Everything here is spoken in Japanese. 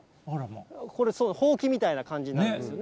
これ、ほうきみたいな感じになるんですよね。